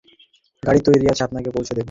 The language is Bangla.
গাড়ি তৈরি আছে, আপনাকে পৌঁছে দেবে।